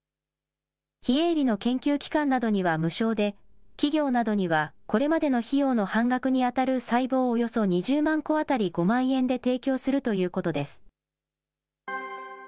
非営利の研究機関などには無償で、企業などにはこれまでの費用の半額にあたる細胞およそ２０万個当たり５万円で提供するということです。